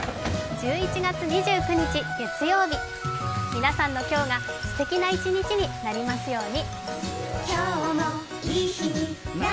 １１月２９日月曜日、皆さんの今日がすてきな一日になりますように。